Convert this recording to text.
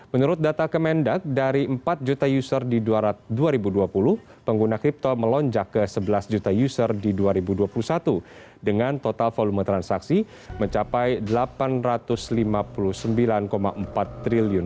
menurut data kemendak dari empat juta user di dua ribu dua puluh pengguna crypto melonjak ke sebelas juta user di dua ribu dua puluh satu dengan total volume transaksi mencapai rp delapan ratus lima puluh sembilan empat triliun